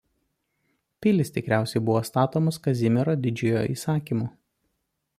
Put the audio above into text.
Pilys tikriausiai buvo statomos Kazimiero Didžiojo įsakymu.